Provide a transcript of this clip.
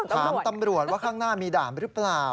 ถามตำรวจว่าข้างหน้ามีด่านหรือเปล่า